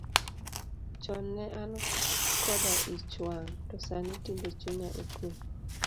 Chon ne an koda ich wang', to sani tinde chuya okwe.